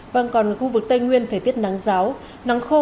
và còn khu vực tây nguyên thời tiết nắng ráo nắng khô